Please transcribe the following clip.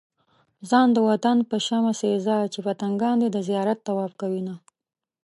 ځان د وطن په شمع سيزه چې پتنګان دې د زيارت طواف کوينه